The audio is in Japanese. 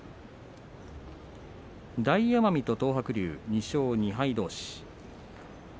大奄美と東白龍、２勝２敗どうし。